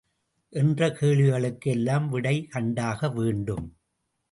என்ற கேள்விகளுக்கு எல்லாம் விடை கண்டாக வேண்டும்.